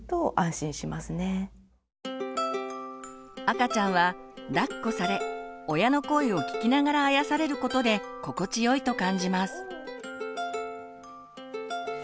赤ちゃんはだっこされ親の声を聞きながらあやされることで心地よいと感じます。